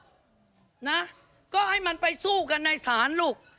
ไหมครับก็ให้มันไปสู้กันในสารลูก